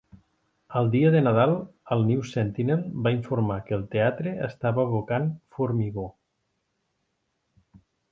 El dia de Nadal el "News-Sentinel" va informar que el teatre estava abocant formigó.